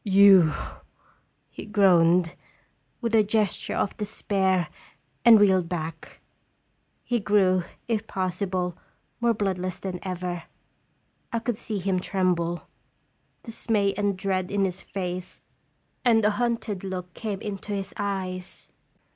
"You/" he groaned, with a gesture of de spair, and reeled back. He grew, if possible, more bloodless than ever. I could see him tremble. Dismay and dread in his face, and a hunted look came into his eyes.